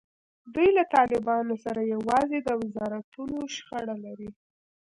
دوی له طالبانو سره یوازې د وزارتونو شخړه لري.